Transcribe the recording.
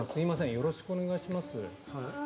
よろしくお願いします。